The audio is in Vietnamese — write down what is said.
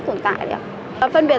con xin cô ạ